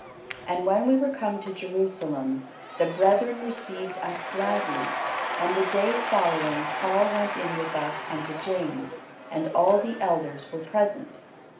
And when we were come to Jerusalem, the brethren received us gladly. And the day following Paul went in with us unto James; and all the elders were present.